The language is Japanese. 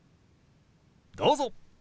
どうぞ。